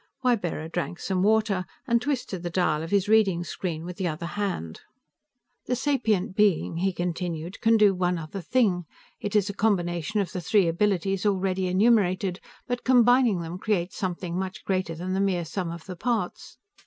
Ybarra drank some water, and twisted the dial of his reading screen with the other hand. "The sapient being," he continued, "can do one other thing. It is a combination of the three abilities already enumerated, but combining them creates something much greater than the mere sum of the parts.